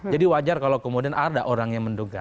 jadi wajar kalau kemudian ada orang yang menduga